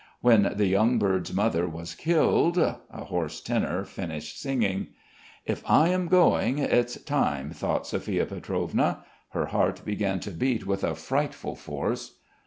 "When the young bird's mother was killed," a hoarse tenor finished singing. If I am going, it's time, thought Sophia Pietrovna. Her heart began to beat with a frightful force.